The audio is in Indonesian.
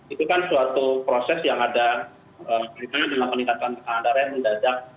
itu kan suatu proses yang ada dengan peningkatan kemahandaran mendadak